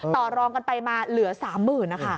ต่อรองกันไปมาเหลือ๓๐๐๐นะคะ